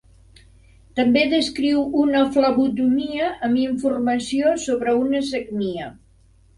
També descriu una flebotomia, amb informació sobre una sagnia.